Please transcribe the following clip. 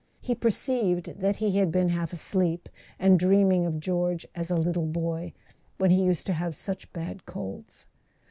He perceived that he had been half asleep, and dreaming of George as a little boy, when he used to have such bad colds.